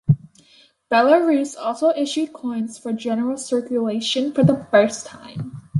Belarus also issued coins for general circulation for the first time.